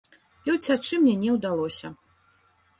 І ўцячы мне не ўдалося.